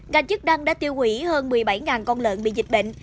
ngành chức năng đã tiêu hủy hơn một mươi bảy con lợn bị dịch bệnh